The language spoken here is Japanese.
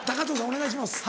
お願いします。